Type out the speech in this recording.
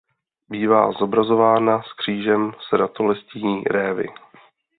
Bývá zobrazována s křížem z ratolestí révy.